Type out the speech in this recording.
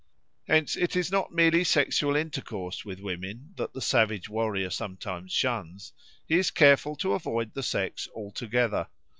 Hence it is not merely sexual intercourse with women that the savage warrior sometimes shuns; he is careful to avoid the sex altogether.